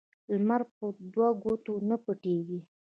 لمر په دوو ګوتو نه پټيږي.